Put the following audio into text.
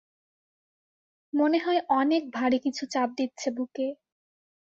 মনে হয় অনেক ভাড়ি কিছু চাপ দিচ্ছে বুকে।